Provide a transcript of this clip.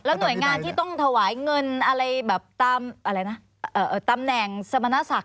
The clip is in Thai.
แล้วหน่วยงานที่ต้องถวายเงินอะไรแบบตามแหน่งสมณสัก